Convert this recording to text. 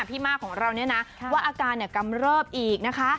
มากของเราเนี่ยนะว่าอาการกำเริบอีกนะคะ